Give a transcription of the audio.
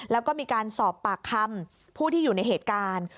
แล้วก็มีการสอบปากคำผู้ที่อยู่ในเหตุการณ์